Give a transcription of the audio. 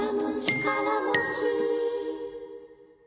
ちからもち？